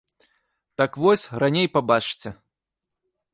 Так вось, раней пабачце.